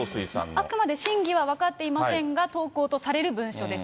あくまで真偽は分かっていませんが、投稿とされる文書です。